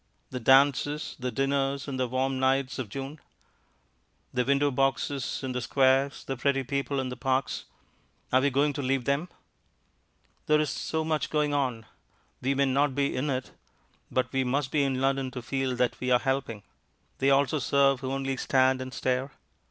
The dances, the dinners in the warm nights of June! The window boxes in the squares, the pretty people in the parks; are we going to leave them? There is so much going on. We may not be in it, but we must be in London to feel that we are helping. They also serve who only stand and stare.